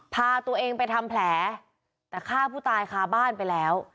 พาตัวเองไปทำแผลแต่ฆ่าผู้ตายคาบ้านไปแล้ว